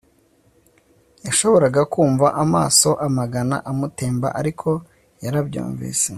yashoboraga kumva amaso amagana amutemba, ariko yarabyumvise